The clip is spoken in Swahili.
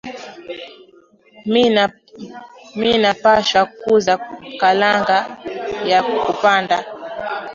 Mina pashwa kuza kalanga ya ku panda